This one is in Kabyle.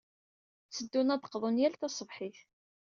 Tteddun ad d-qḍun yal taṣebḥit.